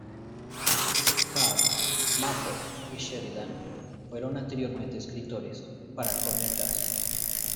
Carr, Mather y Sheridan fueron anteriormente escritores para "Corner Gas".